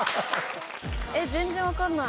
えっ全然分かんない。